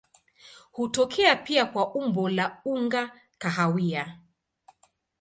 Hutokea pia kwa umbo la unga kahawia.